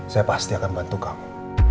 saya pasti akan bantu kamu